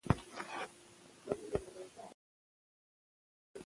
ازادي راډیو د روغتیا په اړه د خلکو نظرونه خپاره کړي.